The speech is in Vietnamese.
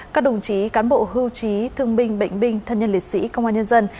các đồng chí cán bộ hưu trí thương binh bệnh binh thân nhân liệt sĩ công an nhân dân